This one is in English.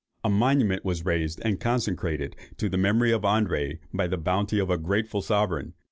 A monument was raised and consecrated to the memory of André by the bounty of a grateful sovereign.